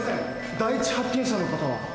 第一発見者の方は？